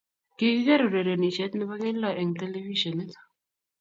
Kigigeer urerenishet nebo keldo eng telefishionit